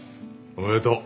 おめでとう。